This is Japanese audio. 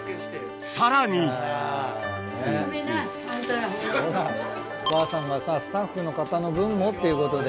さらにお母さんがさスタッフの方の分もっていうことで。